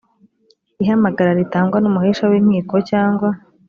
ihamagara ritangwa n umuhesha w inkiko cyangwa